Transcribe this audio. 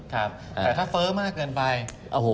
แต่ถ้าเฟ้อมากเกินไป